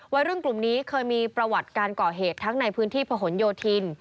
วัยรุ่นกลุ่มนี้เคยมีประวัติการก่อเหตุทั้งในพื้นที่ผนโยธิน